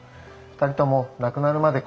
２人とも亡くなるまで